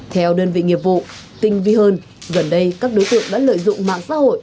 theo đơn vị nghiệp vụ tinh vi hơn gần đây các đối tượng đã lợi dụng mạng xã hội